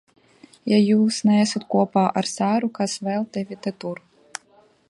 Ja jūs neesat kopā ar Sāru, kas vēl tevi te tur?